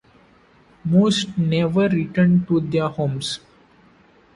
Most never returned to their homes.